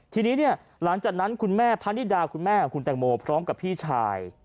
ทีนี้เนี่ยหลังจากนั้นคุณแม่พะนิดาคุณแม่ของคุณแตงโมพร้อมกับพี่ชาย